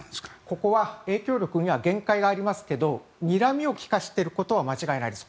ここは影響力には限界がありますけどにらみを利かせていることは間違いないです。